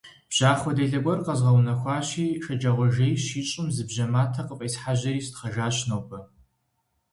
Бжьахъуэ делэ гуэр къэзгъэунэхуащи, шэджагъуэ жей щищӀым зы бжьэ матэ къыфӀесхьэжьэри сытхъэжащ нобэ.